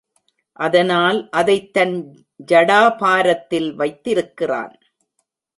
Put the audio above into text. அதனால் அதைத் தன் ஜடாபாரத்தில் வைத்திருக்கிறான்.